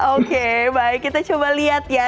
oke baik kita coba lihat ya